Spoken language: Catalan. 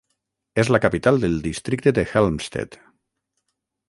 És la capital del districte de Helmstedt.